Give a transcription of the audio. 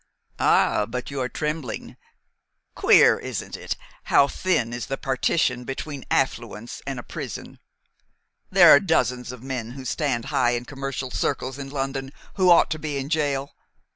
"Ah, but you are trembling. Queer, isn't it, how thin is the partition between affluence and a prison? There are dozens of men who stand high in commercial circles in London who ought to be in jail.